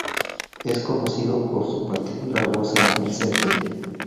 Es conocido por su particular voz en falsete.